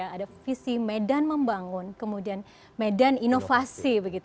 ada visi medan membangun kemudian medan inovasi